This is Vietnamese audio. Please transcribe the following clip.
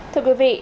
thưa quý vị